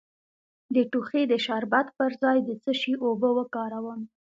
د ټوخي د شربت پر ځای د څه شي اوبه وکاروم؟